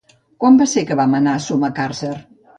Quan va ser que vam anar a Sumacàrcer?